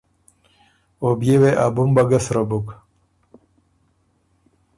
او بيې وې ا بُمبه ګۀ سرۀ بُک۔